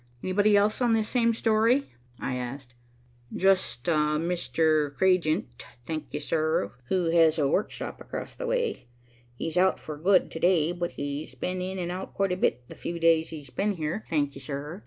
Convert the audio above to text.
"Anybody else on this same story?" I asked. "Just a Mr. Cragent, thank you, sir, who has a workshop across the way. He's out for good to day, but he's been in and out quite a bit the few days he's been there, thank you, sir.